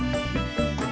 gak ada de